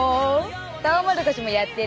トウモロコシもやってる。